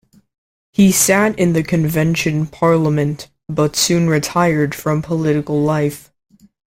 He sat in the Convention Parliament, but soon retired from political life.